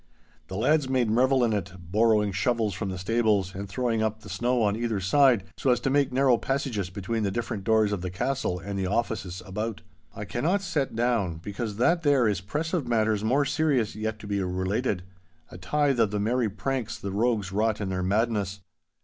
The lads made revel in it, borrowing shovels from the stables and throwing up the snow on either side, so as to make narrow passages between the different doors of the castle and the offices about. I cannot set down, because that there is press of matters more serious yet to be related, a tithe of the merry pranks the rogues wrought in their madness.